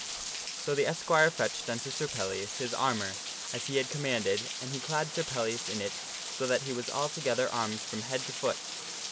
So the esquire fetched unto Sir Pellias his armor as he had commanded, and he clad Sir Pellias in it so that he was altogether armed from head to foot.